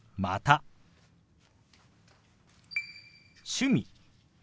「趣味」。